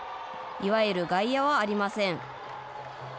いわゆる外野はありません。